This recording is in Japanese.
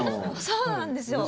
そうなんですよ。